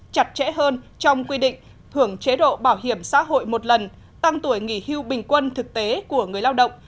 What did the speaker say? chặt chẽ hơn trong quy định hưởng chế độ bảo hiểm xã hội một lần tăng tuổi nghỉ hưu bình quân thực tế của người lao động